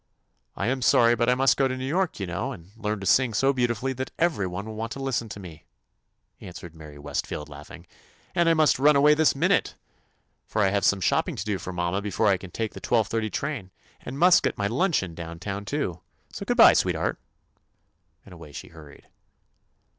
"I am sorry, but I must go to New York, you know, and learn to sing so beautifully that everyone will want to listen to me," answered Mary Westfield, laughing. "And I must run away this minute, for I have some shopping to do for mamma before I can take the twelve thirty train, and must get my luncheon down town 146 TOMMY POSTOFFICE too. So good bye, sweetheart," and away she hurried.